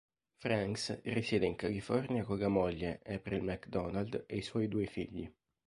Franks risiede in California con la moglie, April McDonald, e i suoi due figli.